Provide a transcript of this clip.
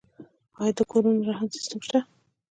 آیا د کورونو رهن سیستم شته؟